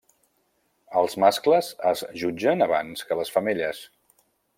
Els mascles es jutgen abans que les femelles.